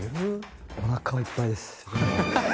おなかはいっぱいです。